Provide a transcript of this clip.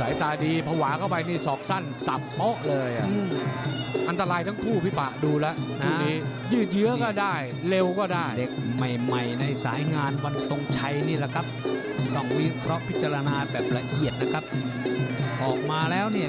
สายตาดีภาวะเข้าไปนี่สอกสั้นสับเมาะเลยอ่ะอันตรายทั้งคู่พี่ป่ะดูแล้วอันนี้